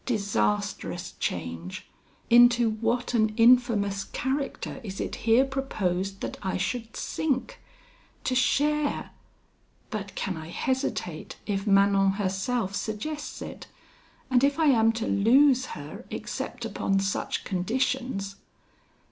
Disastrous change! Into what an infamous character is it here proposed that I should sink? To share But can I hesitate, if Manon herself suggests it, and if I am to lose her except upon such conditions?